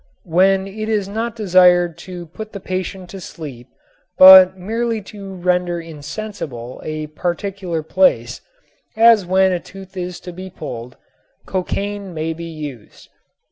When it is not desired to put the patient to sleep but merely to render insensible a particular place, as when a tooth is to be pulled, cocain may be used.